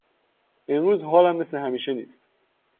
امروز حالم مثل همیشه نیست.